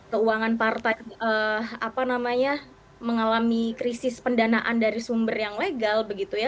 keuangan partai mengalami krisis pendanaan dari sumber yang legal